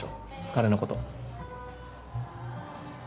彼のこと